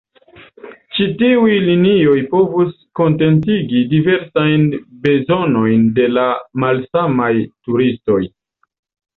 Ĉi tiuj linioj povus kontentigi diversajn bezonojn de la malsamaj turistoj.